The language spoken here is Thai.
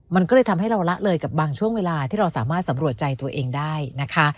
มันก็เลยทำให้เราละเลยกับบางช่วงเวลาที่เราสามารถสำรวจใจตัวเองได้นะคะ